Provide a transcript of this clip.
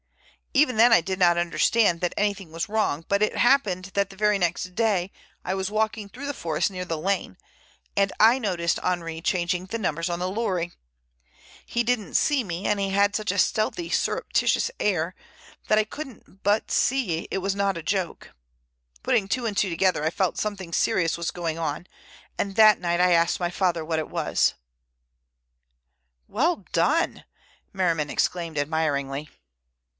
Even then I did not understand that anything was wrong, but it happened that the very next day I was walking through the forest near the lane, and I noticed Henri changing the numbers on the lorry. He didn't see me, and he had such a stealthy surreptitious air, that I couldn't but see it was not a joke. Putting two and two together I felt something serious was going on, and that night I asked my father what it was." "Well done!" Merriman exclaimed admiringly.